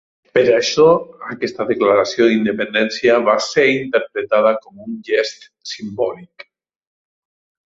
Per això, aquesta declaració d'independència va ser interpretada com un gest simbòlic.